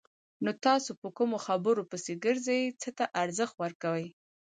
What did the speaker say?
نو تاسو په کومو خبرو پسې ګرځئ! څه ته ارزښت ورکوئ؟